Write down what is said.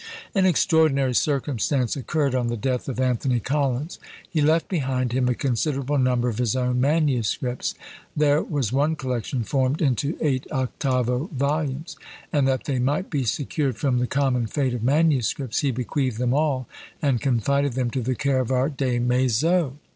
An extraordinary circumstance occurred on the death of Anthony Collins. He left behind him a considerable number of his own manuscripts, there was one collection formed into eight octavo volumes; and that they might be secured from the common fate of manuscripts, he bequeathed them all, and confided them to the care of our Des Maizeaux.